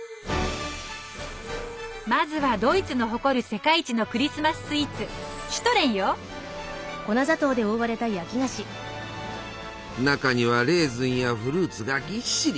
まずはドイツの誇る世界一のクリスマススイーツ中にはレーズンやフルーツがぎっしり。